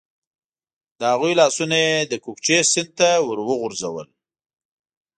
د هغوی لاسونه یې د کوکچې سیند ته ور وغورځول.